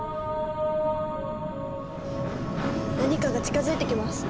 何かが近づいてきます。